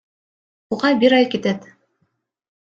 Буга бир ай кетет.